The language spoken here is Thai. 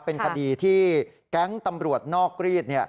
เป็นคดีที่แก๊งตำรวจนอกรีด